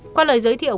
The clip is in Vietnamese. qua lời giới thiệu